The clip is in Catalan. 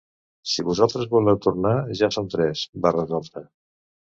Si vosaltres voleu tornar, ja som tres —va resoldre—.